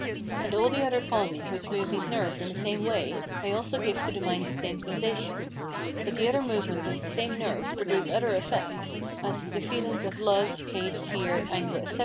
And all the other causes which move these nerves in the same way may also give to the mind the same sensation. But the other movements of the same nerves produce other effects, as the feelings of love, hate, fear, anger, etc.